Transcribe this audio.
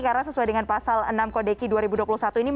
karena sesuai dengan pasal enam kodeki dua ribu dua puluh satu ini